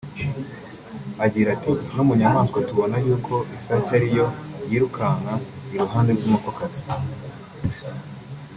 Agira ati “No mu nyamanswa tubona y’uko isake ari yo yirukanka iruhande rw’inkokokazi